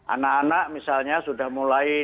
anak anak misalnya sudah mulai